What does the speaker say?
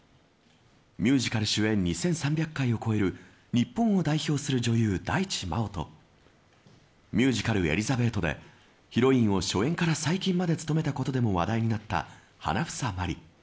ミュージカル主演２３００回を超える日本を代表する女優、大地真央とミュージカル、エリザベートでヒロインを初演から最近まで務めたことでも話題になった花總まり。